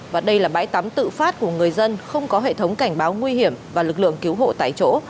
và đây là bãi tắm tự phát của người dân không có hệ thống cảnh báo nguy hiểm và lực lượng cứu hộ tại chỗ